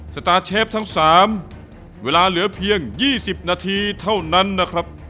สตาร์เชฟทั้ง๓เวลาเหลือเพียง๒๐นาทีเท่านั้นนะครับ